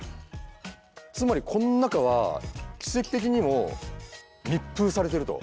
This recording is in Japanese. つまりこの中は奇跡的にも密封されてると。